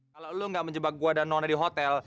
kalau kamu tidak menjebak saya dan nona di hotel